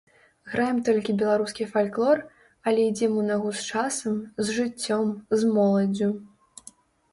Граем толькі беларускі фальклор, але ідзём у нагу з часам, з жыццём, з моладдзю.